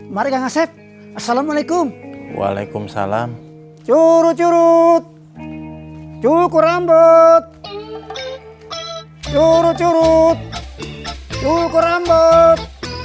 marika ngasep assalamualaikum waalaikumsalam curut curut cukur rambut curut curut cukur rambut